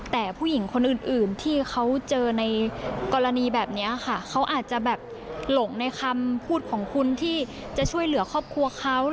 แต่ผู้หญิงคนอื่นที่เขาเจอในกรณีแบบนี้ค่ะเขาอาจจะแบบหลงในคำพูดของคุณที่จะช่วยเหลือครอบครัวเขา